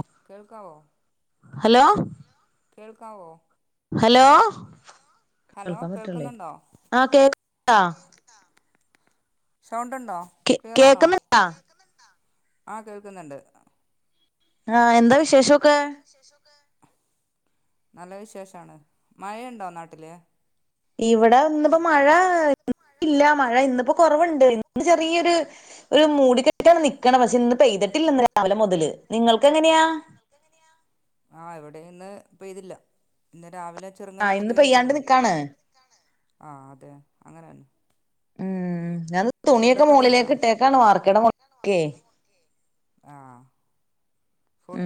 [inaudible] Hello കേൾക്കാവോ? Hello കേൾക്കാൻ പറ്റ്ണില്ലേ ആ കേ [unintelligible] ആ സൗണ്ട്ണ്ടോ ക്ലിയറാണോ കേക്ക്ന്ന്ണ്ടാ ആ കേൾക്ക്ന്ന്ണ്ട് ആ എന്താ വിശേഷൊ ന്താ വിശേഷൊക്കെ, നല്ല വിഷേശാണ് മഴയ്ണ്ടോ നാട്ടില് ഇവ്ടെ ഇന്ന്പ്പോ മഴാ ഇല്ല മഴ ഇന്നിപ്പൊ കൊറവ്ണ്ട് ഇന്ന് ചെറിയൊര് ഒരു മൂടി [unintelligible] നിക്ക്ണെ പക്ഷെ ഇന്ന് പെയ്ത് ല്ല ന്ന് രാവിലെ മുതല് നിങ്ങൾക്കെങ്ങനെയാ ആ ഇവ്ടെ ഇന്ന് പെയ്തില്ല രാവിലെ ചെറുങ്ങൾൾന ഒന്ന പെയ്തതേ ഉള്ളു ആ അതെ അങ്ങനെനെ മ് ഞാൻ തുണിയൊക്കെ മോളിലേക്ക് ഇട്ടേക്കാണ് വാർക്കട [unintelligible] ക്കെ ആ മ്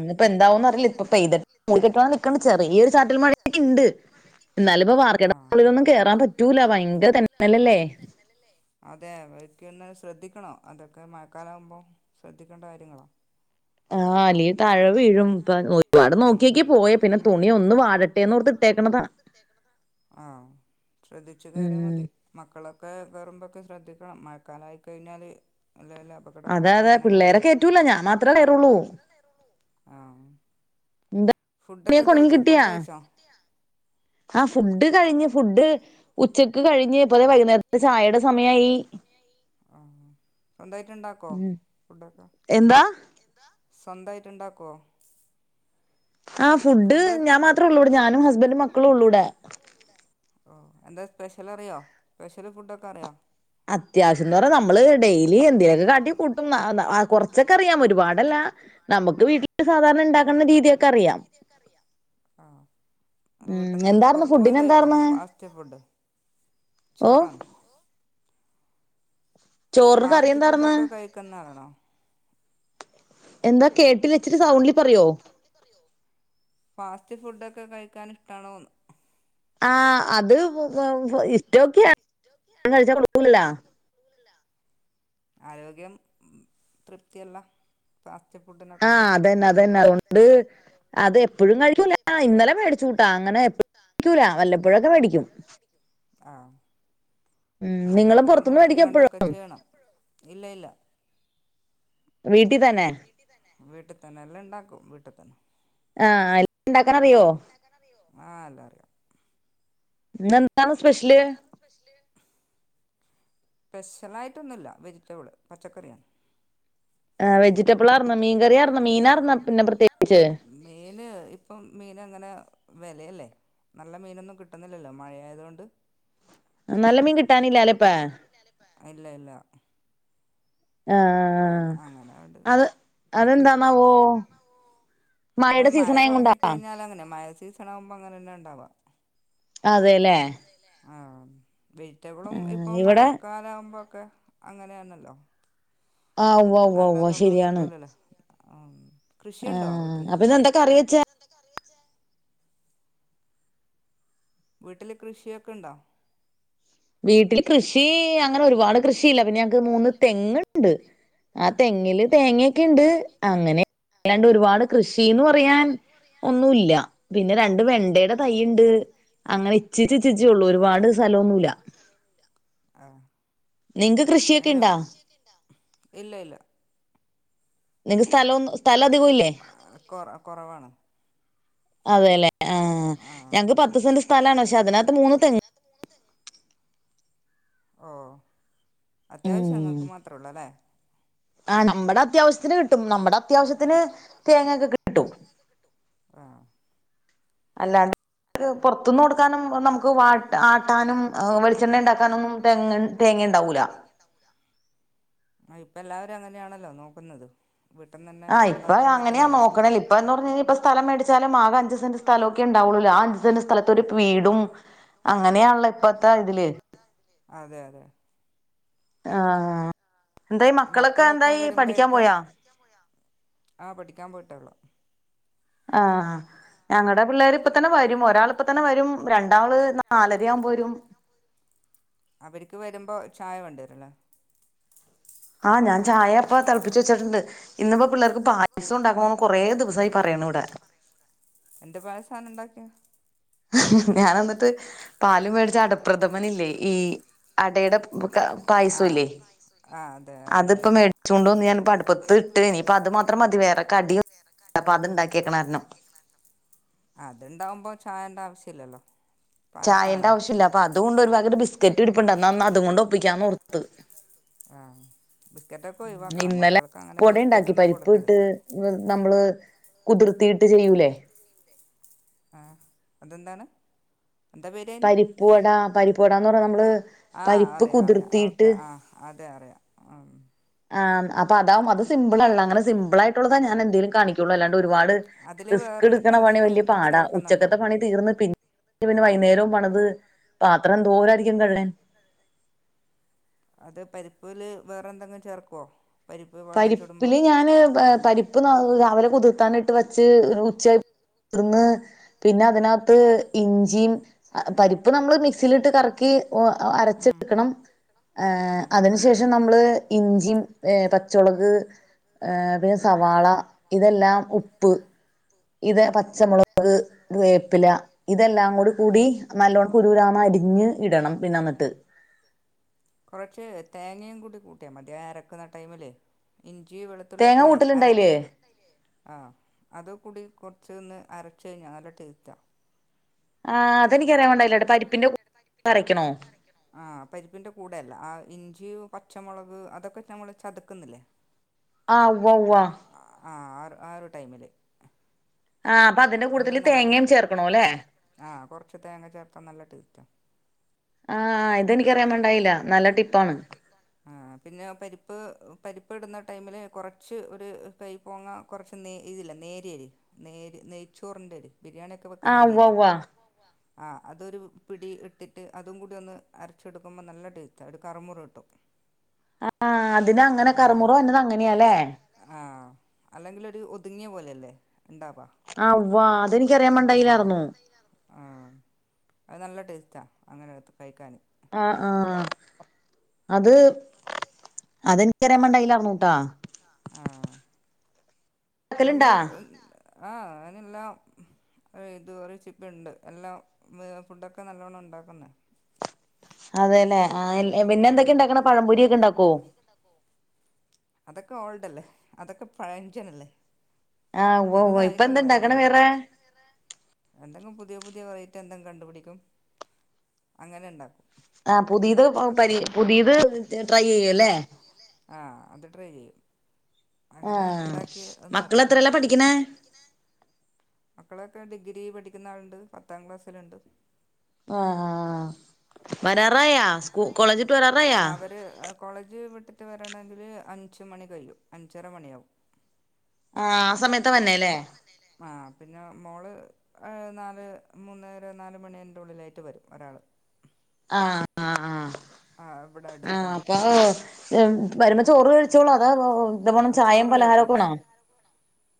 ഇന്ന്പ്പെന്താവുന്നറീല്ല ഇപ്പ പെയ്ത് മൂടികെട്ടി [unintelligible] നിക്ക്ണ്ട് ചെർ ചെറിയൊരു ചാറ്റൽ മഴ [unintelligible] ക്കിണ്ട് എന്നാലും ഇപ്പ വാർക്കേട മോളിലൊന്നും കേറാൻ ബുറ്റൂല്ലഭയങ്കര തെന്നലല്ലേ തെ അവർക്കൊന്ന് ശ്രദ്ധിക്കണോ അതൊക്കെ മഴക്കാലം ആവുമ്പോ ശ്രദ്ധിക്കേണ്ട കാര്യങ്ങളാ ആ അല്ലെങ്കി താഴെ വീഴും ഇപ്പ ഒ ഒരു പാട് നോക്കിയേക്കി പോയേ പിന്നെ തുണി ഒന്ന് വാടട്ടെന്നോർത്ത് ഇട്ടേക്കണതാ ആ ശ്രദ്ധിച്ചു കേറ്യാ മതി മക്കളൊക്കെ കേറുമ്പോക്കെ ശ്രദ്ധി ഇപ്പ മഴക്കാലായി കഴിഞ്ഞാല് അതെ അതെ പിള്ളേരെ കേറ്റൂല്ല ഞാൻ മാത്രോ കയറോള്ളൂ ഫുഡൊക്കെ കഴിച്ചോ ഫുഡ് കഴിച്ചോ ആ ഫുഡ് കഴിഞ്ഞ് ഫുഡ് ഉച്ചക്ക് കഴിഞ്ഞ് ഇപ്പദേ വൈകുന്നേരത്തെ ചായയുടെ സമയായി ആ സ്വന്തായിട്ട് ഇണ്ടാക്കോ ഫുഡൊക്കെ സ്വന്തായിട്ടുണ്ടാക്കോ ആ ഫുഡ് ഞാൻ മാത്രമേ ഒള്ളൂടെ ഞാനും ഹസ്ബൻറും മക്കളും ഒള്ളൂടെ ഓ എന്താ സ്പെഷ്യല് അറിയോ സ്പെഷ്യല് ഫുഡ് ഒക്കെ അറിയോ അത്യാവശ്യം എന്ന് പറ നമ്മള് ഡെയിലി എന്തേലുമൊക്കെ കാട്ടി കൂട്ട് ക്കുന്ന ആ കൊറച്ചൊക്കെ അറിയാം ഒരുപാടല്ല നമുക്ക് വീട്ടില് സാധാരണ ഇണ്ടാക്കണ രീതിയെക്കെ അറിയാം ആ വീട്ടിന്ന് പൊറത്തു പോയി കഴിക്കോ ഫാസ്റ്റ് ഫുഡ് ചോറാണ് ഫാസ്റ്റ് ഫുഡൊക്കെ കഴിക്കുന്നാളാണോ എന്താ കേട്ടില്ല ഇച്ചിരി സൗണ്ടില് പറയോ ഫാസ്റ്റ് ഫുഡൊക്കെ കഴിക്കാൻ ഇഷ്ടാണോന്ന് ആ അത് പു പു പു ഇഷ്ടൊക്കേണ് കഴിച്ചാ കൊഴപ്പൂല്ലല്ലാ ആരോഗ്യം തൃപ്തിയുള്ള ആ അതന്നെ അതന്നെ അതു കൊണ്ട് അത് എപ്പഴും കഴിക്കൂ ല്ല ഇന്നലെ മേടിച്ചുട്ടാ അങ്ങനെ എപ്പ പിക്കൂല വല്ലപ്പോഴൊക്കെ വേടിക്കും ആ അതൊക്കെ നോക്കീം കണ്ടൊക്കെ ചെയ്യണം ഇല്ലേ ഇല്ല വീട്ടീതന്നെ വീട്ടീത്തന്നെ എല്ലാം ഇണ്ടാക്കും വീട്ടീത്തന്നെ ആ എല്ലാം ഇണ്ടാക്കാൻ അറിയോ ഇന്നെന്താണ് സ്പെഷ്യല് സ്പെഷ്യലായിട്ടൊന്നുല്ല വെജിറ്റബിള് പച്ചക്കറിയാണ് ആ വെജിറ്റബിളാർന്ന് മീൻ കറിആർന്ന് മീനാർന്ന് പിന്നെ പ്രത്യേകിച്ച് ഇവടങ്ങനെ വെലേല്ലേ നല്ല മീനൊന്നും കിട്ടുന്നില്ലല്ലോ മഴയായതുകൊണ്ട് നല്ല മീൻ കിട്ടാനില്ല അല്ലെ ഇല്ല ഇല്ല ആ അത് അതെന്താന്നാവോ അത് മഴ തൊടങ്ങിക്കഴിഞ്ഞാൽല ങ്ങനെ മഴ സീസൺ ആവുമ്പോ അങ്ങനെന്നെ ഉണ്ടാവാ ആ വെജിറ്റബിളും ഇപ്പൊ മഴക്കാല ആവുമ്പോക്കെ അങ്ങനെയാണല്ലോ ആ ഉവ്വ ഉവ്വ ഉവ്വ ശരിയാണ് ആ ആ അപ്പ ഇന്ന് എന്താ കറിവെച്ച വീട്ടില് കൃഷിയൊക്കെ ഇണ്ടോ വീട്ടില് കൃഷി അങ്ങനെ ഒരുപാട് കൃഷിയില്ല പിന്നെ ഞങ്ങക്ക് മൂന്ന് തെങ്ങുണ്ട് ആ തെങ്ങില് തേങ്ങൊക്കെ ഇണ്ട് അങ്ങനെ അല്ലാണ്ട് ഒരുപാട് കൃഷീന്ന് പറയാൻ ഒന്നൂല്ല പിന്നെ രണ്ട് വെണ്ടയുടെ തൈയിണ്ട് അങ്ങന ഇച്ചിച്ച് ഇച്ചിച്ച് ഒള്ളൂ ഒരുപാട് സ്ഥലമൊന്നുല്ല ആ ആങ്ങനെഒള്ളു ഇല്ല ഇല്ല നിങ്ങക്ക് സ്ഥലൊന്ന് കൊറ കൊറവാണ് അതെല്ലേ അഹ് ഞങ്ങക്ക് പത്ത് സെന്റ് സ്ഥലാണ് പക്ഷെ അതിനകത്ത് മൂന്ന് തെങ്ങ് ഓ അത്യാവശ്യം ങ്ങൾക്ക് മാത്രള്ളോല്ലേ ആ നമ്മുടെ അത്യാവശ്യത്തിന് കിട്ടും നമ്മുടെ അത്യാവശ്യത്തിന് തേങ്ങൊക്കെ കിട്ടും ആഹ് അല്ലാണ്ട് പൊറ്ത്തുന്ന് കൊടുക്കാനും നമുക്ക് വാട്ട് ആട്ടാനും വെളിച്ചെണ്ണ ഇണ്ടാക്കാനൊന്നും തെങ്ങ് ഇണ്ട് തേങ്ങ ങ്ങ ഇണ്ടാവൂല്ല ഇണ്ടാവൂല ആ ഇപ്പൊ എല്ലാവരും അങ്ങനെയാണല്ലോ നോക്കുന്നത് ആഹ് ഇപ്പൊ അങ്ങനെയാ നോക്ക്ണേ ഇപ്പെന്ന് പറഞ്ഞ് കഴിഞ്ഞാ ഇപ്പം സ്ഥലം മേടിച്ച് ച്ചാലും ആകെ അഞ്ച് സെന്റ് സ്ഥലൊക്കെ ഉണ്ടാവുള്ളൂ ആ അഞ്ച് സെന്റ് സ്ഥലത്ത് ഒരു വീടും അങ്ങനെയാണല്ലേ ഇപ്പത്തെ ഇതില് അതെ അതെ ആഹ് ആ മക്കളൊക്കെ വരുമ്പോഴൊക്കെ ആഹ് പഠിക്കാൻ പോയിട്ടേള്ളു ആഹ് ഞങ്ങളടെ പിള്ളേർ ഇപ്പം തന്നെ വരും ഒരാളിപ്പ തന്നെ വരും രണ്ടാമത് നാലെരയാകുമ്പൊ വരും അവർക്ക് വരുമ്പോ ചായ വേണ്ടിവര്ല്ലേ ആഹ് ഞാൻ ചായ പ്പം തളപ്പിച്ച് വെച്ചിട്ടുണ്ട് ഇന്നിപ്പോ പിള്ളേർക്ക് പായസം ഉണ്ടാക്കണോന്ന് കൊറേ ദിവസായി പറയ ണൂ ഇവിടെ എന്ത്‌ പായസാണ് ഉണ്ടാക്കിയെ ഞാൻ എന്നിട്ട് പാലും മേടിച്ചു അടപ്രഥമനല്ലേ ഈ അടയുടെ പു ക്ക പായസംല്ലേ അതിപ്പം മേടിച്ചോണ്ടെന്ന് ഞാൻ ഇപ്പൊ അടു പ്പത്തിട്ട് ഇനി ഇപ്പം അത് മാത്രം മതി വേറെ കടിയൊ [unintelligible] അപ്പം അത്ണ്ടാക്കിയ കാരണം അത്ണ്ടാവുമ്പോ ചായേണ്ട ആവശ്യ ഇല്ലല്ലോ ചായേന്റെ ആവശ്യല്ല അപ്പൊ അതു കൊണ്ടൊരു ഒരു പാക്കറ്റ് ബിസ്ക്കറ്റ് ഇരിപ്പുണ്ട് എന്നാ അതുകൊണ്ട് ഒപ്പിക്കാന്ന് ഓർത് ആ ബിസ്ക്കറ്റൊക്കെ ഒഴിവാക്കണം മക്കൾക്ക് അങ്ങനെ ബിസ്ക്കറ്റൊന്നും കൊടുക്കരുത് കുതിർത്തിയിട്ട് ചെയ്യൂലേ ആ അതെന്താണ് പരിപ്പ് വടാ പരിപ്പ് വടാന്ന് പറഞ്ഞ നമ്മള് പരിപ്പ് കുതിർത്തീട്ട് ആ ആഹ് അപ്പ അതാവും അത് സിമ്പിൾ ആണ് അങ്ങനെ സിമ്പിൾ ആയിട്ടുള്ളതാ ഞാന് എന്തേലും കാണിക്കുള്ളൂ അല്ല ഒരുപാട് റിസ്ക് എടുക്കണ പണി വല്യ പാടാ ഉച്ചക്കത്തെ പണി തീർന്ന് പി പിന്നെ വൈകുന്നേരവും പണിത് പാത്രം എന്തോരായിരിക്കും കഴുകാൻ അത് പരിപ്പില് വേറെ എന്തെങ്കിലും ചേർക്കുവോ പരിപ്പില് ഞാന് പരിപ്പ് രാവിലെ കുതിർത്താനിട്ട് വച്ച് ഉച്ച [unintelligible] പിന്നെ അതിനകത്ത് ഇഞ്ചിയും പരിപ്പ് നമ്മള് മിക്സിയിലിട്ട് കറക്കി ഒ അഹ് അരച്ചെടുക്കണം അതിനുശേഷം നമ്മള് ഇഞ്ചിയും ഏഹ് പ മുളക് പിന്നെ സവാള ഇതെല്ലാം ഉപ്പ് ഇത് പച്ചമുളക് വേപ്പില ഇതെല്ലാം കൂടി കൂടി നല്ലോണ്ക്ക് കുരു കുരാന്ന് അരിഞ്ഞ് ഇടണം പിന്നെന്നിട്ട് കൊറച്ചു തേ [unintelligible] കൂട്ടിയാ മതി ആ അരക്കുന്ന ടൈമിലെ [unintelligible] ഇഞ്ചി വെളുത്തുള്ളിയൊക്കെ അരക്കുന്നുണ്ട് ആ അത് കുടി കുറച്ചൊന്ന് അരച്ചു കഴിഞ്ഞാൽ നല്ല ടേസ്റ്റാ ആ അതെനിക്ക് അറിയാൻ വണ്ടായിട്ടില്ല പരിപ്പിന്റെ കൂടെ അരയ്ക്കണോ ആഹ് പരിപ്പിന്റെ കൂടെയല്ല ആ ഇഞ്ചി പച്ചമുളക് അതൊക്കെ നമ്മൾ ചതക്കുന്നില്ലേ ആഹ് ഉവ ഉവ ആ ആ ആ ഒരു ടൈമിൽ ആ അപ്പൊ അതിന്റെ കൂടുതൽ തേങ്ങയും ചേർക്കണോല്ലേ ആഹ്, കൊറച്ച് തേങ്ങ ചേർത്താൽ നല്ല ടേസ്റ്റ. ആഹ ഇതെനിക്കറിയാൻപാടിണ്ടായില്ല, നല്ല ടിപ്പാണ്. ആ പിന്നെ പരിപ്പ് പരിപ്പ് ഇടുന്ന ടൈമില് കുറച്ച് ഒരു കൈ പോങ്ങ കൊറച്ച് നെയ്യ് ഇതില്ല, നേരിയരി നേരി, നെയ്ച്ചോറിന്റെരി, ബിരിയാണി ഒക്കെ വെക്കുന്ന അരിയില്ലേ? ആ അതൊരു പിടി ഇട്ടിട്ട് അതും കൂടി ഒന്ന് അരച്ചെടുക്കുമ്പോൾ, നല്ല ടേസ്റ്റ്ണ്, ഒരു കറുമുറ കിട്ടും. ആഹ് അതിന് അങ്ങനെ കറുമുറു വര്ന്നത് അങ്ങനെയാല്ലേ? തുങ്ങിയ പോലെയല്ലേ? ആ വ്വ ആഹ് ആ അത് നല്ല ടേസ്റ്റാ. അങ്ങനെടുത്ത് കഴിക്കാന് ആഹ ആഹ അത്? അതെനിക്കറിയാൻ മാണ്ടയാലാറ്ന്നൂട്ടാ. ആഹ് നമ്മള് ആഹ് [unintelligible] ഇത് ഒരു ചിപ്പ്ണ്ട് എല്ലാം ഫുഡൊക്കെ നല്ലവണ്ണം ഉണ്ടാക്കുന്നെ. അതെല്ലേ, ആ പിന്നെ എന്തൊക്കെ ഇണ്ടാക്കണ പഴംപൊരി ഒക്കെ ഇണ്ടാക്കോ? അതൊക്കെ ഓൾഡ്ല്ലേ? അതൊക്കെ പയഞ്ചനല്ലേ? ആഹ് ഉവ്വ് ഉവ്വ് ഇപ്പം എന്താണ്ടാക്ക്ണെ വേറെ പുതിയ പുതിയ വെറയ്റ്റി എന്തെങ്കി കണ്ടുപിടിക്കും, അങ്ങനെ ഉണ്ടാക്കും. ആ പുതിയത് പ പുതിയത് ട്രൈ ചെയ്യല്ലേ? ആ അത് ട്രൈ ചെയ്യും. ആ മക്കള എത്രല്ല പഠിക്കണേ? മക്കളൊക്കെ ഡിഗ്രി പഠിക്കുന്ന ആളുണ്ട്, പത്താം ക്ലാസ്സിലുണ്ട്... ഓ വരറായ? സ്കൂ അവര് കോളേജ് വി പത്തിട്ട് വരണെങ്കിൽ അഞ്ച് മണി കഴുയും, അഞ്ചര മണിയാകും. ആ ആ സമയത്ത് വന്നെല്ലേ? ആ പിന്നെ മോള്, നാല് മൂന്നേര നാല് മണിൻ്റെ ഉള്ളിലായിട്ട് വരും, ഒരാൾ. ആ ആ ആ ആ അപ്പൊ വരുമ ചോറവ് കഴിച്ചോളൂ? അതാ ഇവണം ചായയും പലഹാരംക്കെ? ആ,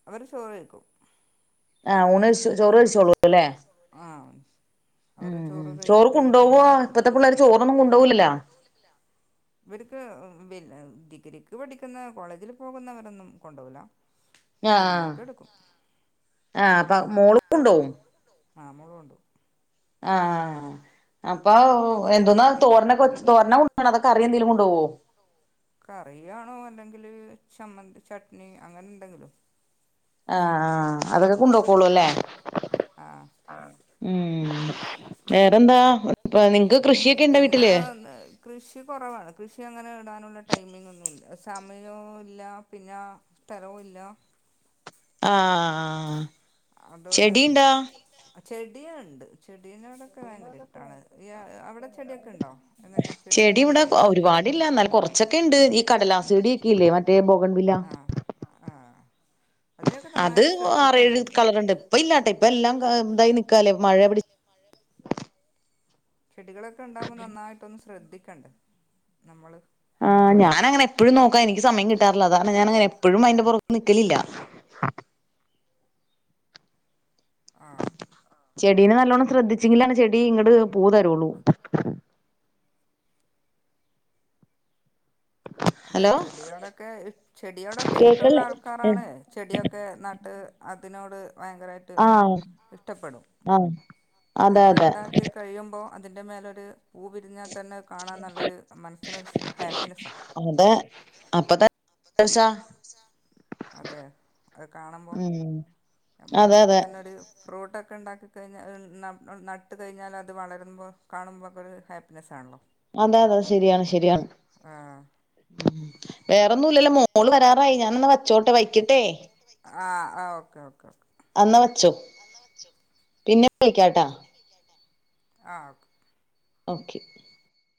അവര് ചോറെക്കും. ആ ഉണേച്ചു ചോറുഴിച്ചോള്ളൂ ല്ലേ? ഉം ഉ ചോറ് കൊണ്ട്പോവോ ഇപ്പത്തെ പിള്ളോര് ചോറൊന്നും കൊണ്ടുപോകലല്ല. ഇവർക്ക് പിൻ ഡിഗ്രിക്ക് പഠിക്കുന്ന കോളേജിൽ പോകുന്നവരൊന്നും കൊണ്ടപകല. കുഞ്ഞൊക്കെ എടുക്കും. ആ മോള് കൊണ്ടോവും. ആ മോളോണ്ടോ ആ ആ ആ അപ്പൊ എന്തോന്നാ? തോരന കൊച്ച് തോരന കൊണ്ടാണ്? ക്കറി എന്തെങ്കിലും കൊണ്ട പോവോ? ചമ്മന്തി, ചട്നി അങ്ങനെ എന്തെങ്കിലും... ആ ആ ആ അതൊക്കെ കൊണ്ടപോക്കള്ളൂ അല്ലേ? ആ ഉം... പിന്നെ കൃഷി കുറവാണ്? കൃഷി അങ്ങനെണ്ട ടൈമിഗ് ഒന്നില്ല, സമയവും ഇല്ല, പിന്നെ സ്ഥലവും ഇല്ല. ആ ആ ആ ആ അതുകൊണ്ട്, ചെടിയ ഉണ്ട്. ചെടീനോടൊക്കെ ഭയങ്കര ചെടിയോടൊക്കെ ഭയങ്കരഷ്ടാണ്. ഈ അവിടെ ചെടിയൊക്കെ ഉണ്ടോ? എങ്ങനെയ ചെടിയൊക്കെ ഉള്ള ഏരിയാ? ഇല്ല, എന്നാല കുറച്ചൊക്കെ ഉണ്ട്, ഈ കടലാസ്ടി ആ ആ അത്, ആറേഴു, കളറുണ്ട്, ഇപ്പ, ഇല്ലാട്ടെ, ഇപ്പ, എല്ലാം, തായിനിക്കാ മഴ, പിടി ചെടികളൊക്കെ, ഉണ്ടാകുമ്പോ, നന്നായിട്ടൊന്ന്, ശ്രദ്ധിക്കണ്ടേ, നമ്മ ആ, ഞാനങ്ങനെ, എപ്പഴും, നോക്കഎനിക്ക്, സമയം കിട്ടാറില്ല, അതാണ്, ഞാനങ്ങനെ, എപ്പഴും, അയ്‌ന്റെ, പൊറത്ത്, നിക്കാറില്ല ആ ചെടീനേ നല്ലോണ്ണം ശ്രദ്ധിച്ചെങ്കിലാണ് ചെടി ഇങ്ങട പൂവ തരുള്ളൂ അതെ, ചെടിയോടൊക്കെ, ചെടിയോടൊക്കെ, ഇഷ്ടള്ള, ആൾക്കാാരാണ്, ചെടിയൊക്കെ, നാട്ട് അതിനോട്, വയങ്കരായിട്ട്, ഇഷ്ടപ്പെടും. അ, നമ്മള്ണ്ടാക്കി കഴിയുമ്പോ അതിന്റെ മേലൊരു പൂവിരിഞ്ഞാ തന്നെ കാണാൻ നല്ലൊരു മനസ്സിനൊരു ഹാപ്പിനെസാ സാ അതെ അത് കാണുമ്പോ നമ്മടെ വീട്ടിതന്നെ ഒരു ഫ്രൂട്ടൊ ഒക്കെണ്ടാക്കി കഴിഞ്ഞാൽ അ ന നട്ട് കഴിഞ്ഞാൽ അത് വളരുമ്പോൾ കാണുമ്പോൾക്കെ ഒരു ഹാപ്പിനെസ്സണല്ലോ അതെ അതെ ശരിയാണ് ശരിയാണ്. വേറെന്നും ഇല്ലല്ലോ മോള് വരാറായി ഞാനെന്ന എന്ന വച്ചോട്ടെ, വക്കട്ടെ. ആ ഓക്കെ ഓക്കെ. അന്ന വച്ചോ പിന്നെ വിളിക്കാട്ടാ. ആ ഓക്കെ